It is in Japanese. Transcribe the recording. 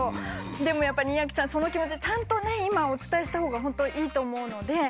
でもやっぱり庭木さんその気持ちちゃんとね今お伝えしたほうが本当いいと思うので。